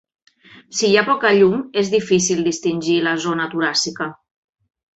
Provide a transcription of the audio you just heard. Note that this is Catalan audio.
Si hi ha poca llum, és difícil distingir la zona toràcica.